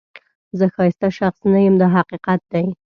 زه ښایسته شخص نه یم دا حقیقت دی.